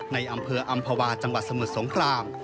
ในอำเภออำภาวาจังหวัดสมุทรสงคราม